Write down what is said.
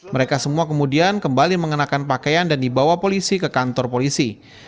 mereka semua kemudian kembali mengenakan pakaian dan dibawa polisi ke kantor polisi